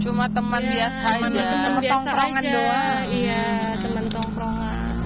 cuma teman biasa aja